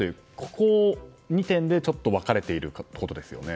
この２点で、ちょっと分かれているところですよね。